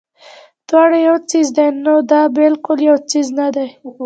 دواړه يو څيز دے نو دا بالکل يو څيز نۀ دے